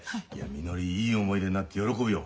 みのりいい思い出になって喜ぶよ。